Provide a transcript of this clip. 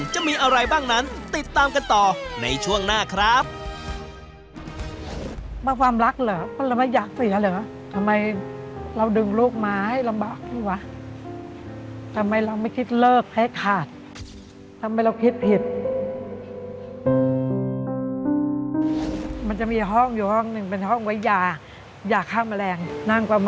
จะมีอะไรบ้างนั้นตามน้องไม่ต้องไปกันเลยครับ